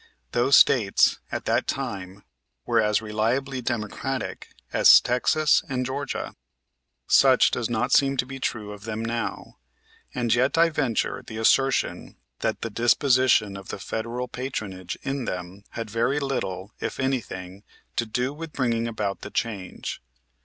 Those States at that time were as reliably Democratic as Texas and Georgia. Such does not seem to be true of them now, and yet I venture the assertion that the disposition of the federal patronage in them had very little, if anything, to do with bringing about the change.